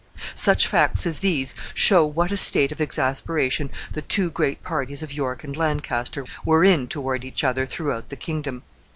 Such facts as these show what a state of exasperation the two great parties of York and Lancaster were in toward each other throughout the kingdom.